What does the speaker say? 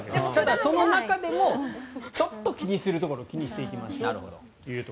その中でもちょっと気にするところを気にしていきましょうと。